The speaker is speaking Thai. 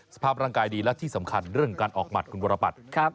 สภาพร่างกายดีและที่สำคัญเรื่องการออกหมัดคุณวรปัตย์